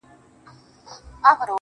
د نېکۍ او د احسان خبري ښې دي!!